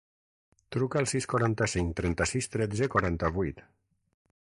Truca al sis, quaranta-cinc, trenta-sis, tretze, quaranta-vuit.